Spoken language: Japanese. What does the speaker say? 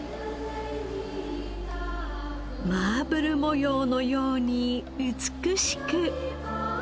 マーブル模様のように美しく。